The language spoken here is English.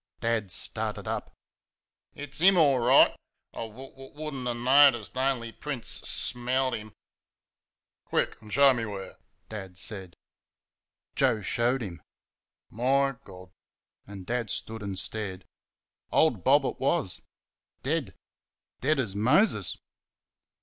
Dad started up. "It's 'im all right I w w would n'ter noticed, only Prince s s smelt him." "Quick and show me where!" Dad said. Joe showed him. "My God!" and Dad stood and stared. Old Bob it was dead. Dead as Moses.